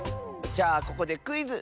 じゃあここでクイズ！